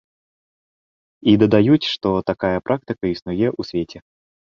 І дадаюць, што такая практыка існуе ў свеце.